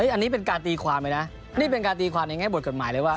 อันนี้เป็นการตีความเลยนะนี่เป็นการตีความในแง่บทกฎหมายเลยว่า